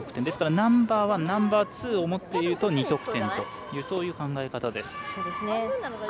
ですからナンバーワン、ツーを持っていると２得点という考え方です。